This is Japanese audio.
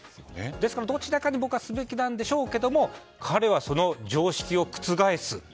ですから、どちらかにするべきなんでしょうけど彼は、その常識を覆す。